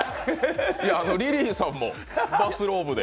リリーさんもバスローブで。